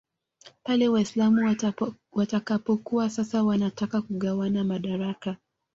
pale Waislam watakapokuwa sasa wanataka kugawana madaraka